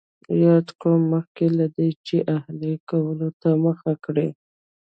یاد قوم مخکې له دې چې اهلي کولو ته مخه کړي